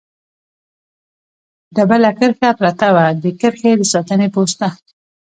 ډبله کرښه پرته وه، د کرښې د ساتنې پوسته.